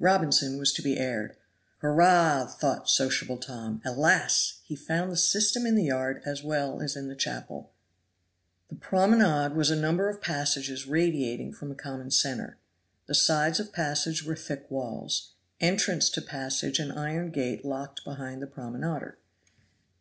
Robinson was to be aired. "Hurrah!" thought sociable Tom. Alas! he found the system in the yard as well as in the chapel. The promenade was a number of passages radiating from a common center; the sides of passage were thick walls; entrance to passage an iron gate locked behind the promenader.